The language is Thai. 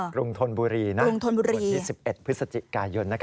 รุงธนบุรีวันที่๑๑พฤศจิกายน